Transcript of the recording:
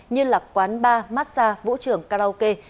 như là quán bar massage vũ trường karaoke